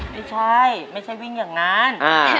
ไม่ใช่ไม่ใช่วิ่งอย่างนั้น